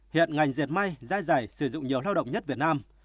hiện ngành diệt may da dày sử dụng nhiều lao động nhất việt nam